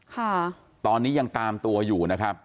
ค่ะตอนนี้ยังตามตัวอยู่นะครับ